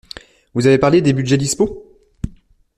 Vous avez parlé des budgets dispos?